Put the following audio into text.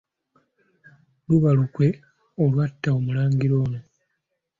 Laba olukwe olwatta Omulangira ono.